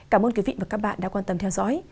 cảm ơn quý vị và các bạn đã quan tâm theo dõi